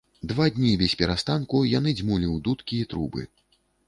Два дні бесперастанку яны дзьмулі ў дудкі і трубы.